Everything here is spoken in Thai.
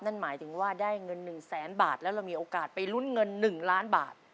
นั่นหมายถึงว่าได้เงิน๑แสนบาทแล้วเรามีโอกาสไปลุ้นเงิน๑ล้านบาท